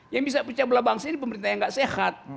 yang bisa pecah belah bangsa ini pemerintah yang nggak sehat